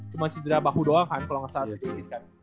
cedera bahu doang kan kalo ga salah